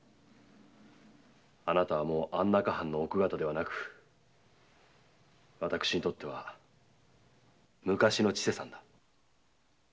あなたはもう安中藩の奥方ではなく私にとって昔の千世さんだ。